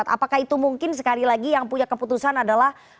apakah itu mungkin sekali lagi yang punya keputusan adalah